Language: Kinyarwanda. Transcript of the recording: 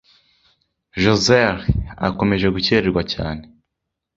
Josehl akomeje gucyeregwa cyane.